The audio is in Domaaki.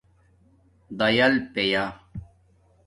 دَیل پیہ